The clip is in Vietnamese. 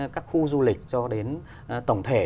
các khu du lịch cho đến tổng thể